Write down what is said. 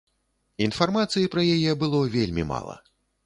Інфармацыі пра яе было вельмі мала.